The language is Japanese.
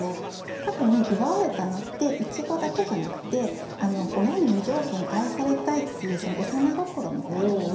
多分奪われたのっていちごだけじゃなくて親に無条件に愛されたいっていう幼心みたいなもの。